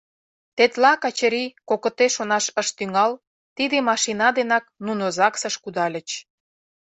Тетла Качырий кокыте шонаш ыш тӱҥал тиде машина денак нуно загсыш кудальыч.